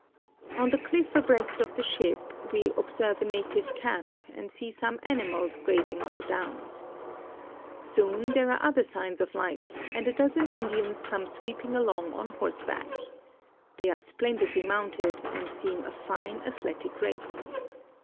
On the cliff abreast of the ship we observe a native camp and see some animals grazing on the downs. Soon there are other signs of life, and a dozen Indians come sweeping along on horse back. They are splendidly mounted and seem a fine, athletic race.